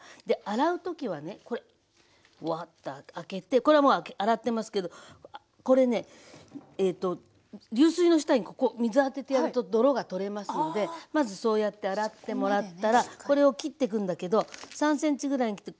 洗う時はねこれワッと開けてこれはもう洗ってますけどこれねえと流水の下にここ水当ててやると泥が取れますのでまずそうやって洗ってもらったらこれを切ってくんだけど３ｃｍぐらい切って。